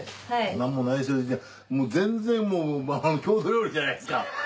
何もないって全然もう郷土料理じゃないですか。